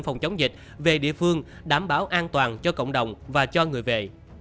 phòng chống dịch về địa phương đảm bảo an toàn cho cộng đồng và cho người về